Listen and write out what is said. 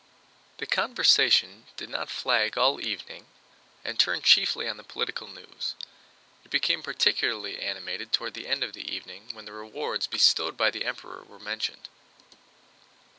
The conversation did not flag all evening and turned chiefly on the political news. It became particularly animated toward the end of the evening when the rewards bestowed by the Emperor were mentioned.